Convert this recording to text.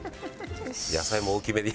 「野菜も大きめに」